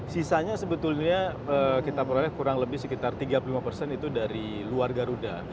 sisanya sebetulnya kita peroleh kurang lebih sekitar tiga puluh lima persen itu dari luar garuda